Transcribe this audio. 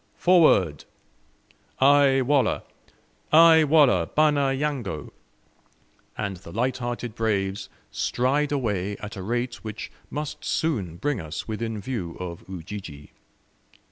"Forward!" "Ay Wallah, ay Wallah, bana yango!" and the lighthearted braves stride away at a rate which must soon bring us within view of Ujiji.